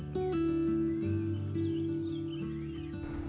kita sudah berjalan ke yogyakarta